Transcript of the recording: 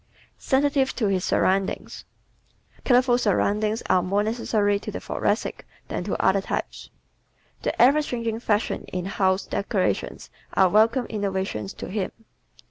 Sensitive to His Surroundings ¶ Colorful surroundings are more necessary to the Thoracic than to other types. The ever changing fashions in house decorations are welcome innovations to him.